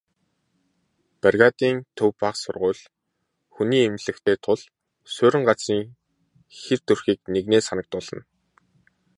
Бригадын төвд бага сургууль, хүний эмнэлэгтэй тул суурин газрын хэр төрхийг нэгнээ санагдуулна.